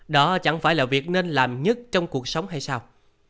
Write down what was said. đó chẳng phải là việc nên làm nhất trong cuộc sống hay sau